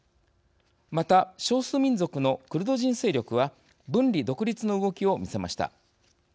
また、少数民族のクルド人勢力は分離独立の動きを見せました。